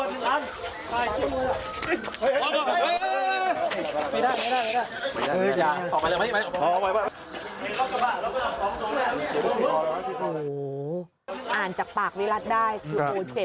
เนี่ยมันอื่น่านจากปากวิรัติได้นะโอ้เจ็บ